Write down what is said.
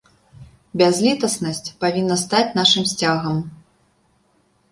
Бязлітаснасць павінна стаць нашым сцягам.